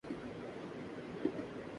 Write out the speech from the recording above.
زمانہ عہد میں اس کے ہے محو آرایش